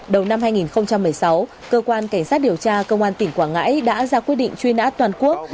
đầu năm hai nghìn một mươi sáu cơ quan cảnh sát điều tra công an tỉnh quảng ngãi đã ra quyết định truy nã toàn quốc